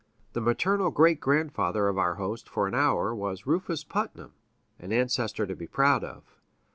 The maternal great grandfather of our host for an hour was Rufus Putnam, an ancestor to be proud of.